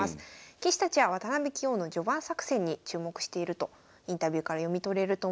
棋士たちは渡辺棋王の序盤作戦に注目しているとインタビューから読み取れると思います。